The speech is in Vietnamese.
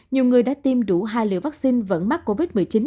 nhiều người đã tiêm đủ hai liều vaccine vẫn mắc covid một mươi chín